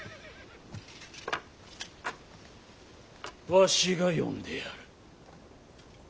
わしが読んでやる。